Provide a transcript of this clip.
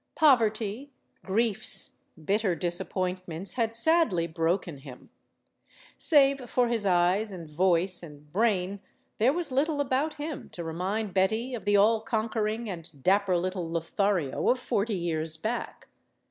Poverty, griefs, bitter disappointments had sadly broken him. Save for his eyes and voice and brain, there was little about him to remind Betty of the all conquering and dapper little Lothario of forty years back.